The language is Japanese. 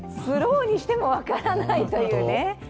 スローにしても分からないというね。